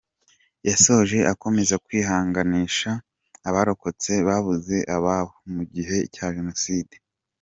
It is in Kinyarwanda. Yashoje akomeza kwihanganisha abarokotse babuze abababo mu gihe cya Jenoside.